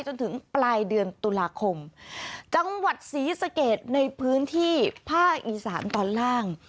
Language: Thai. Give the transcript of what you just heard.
จนถึงปลายเดือนตุลาคมจังหวัดศรีสะเกดในพื้นที่ภาคอีสานตอนล่าง